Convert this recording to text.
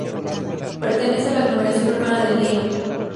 Pertenece a la aglomeración urbana de Lyon.